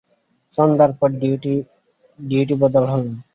সন্ধ্যার পর ডিউটি বদল হল।